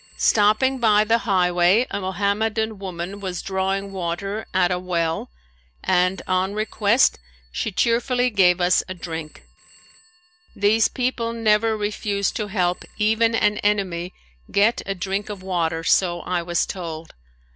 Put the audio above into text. Stopping by the highway a Mohammedan woman was drawing water at a well and on request she cheerfully gave us a drink. These people never refuse to help even an enemy get a drink of water so I was told.